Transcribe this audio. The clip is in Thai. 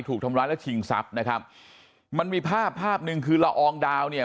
ถูกทำร้ายแล้วชิงสับนะครับมันมีภาพนึงคือละอองดาวเนี่ย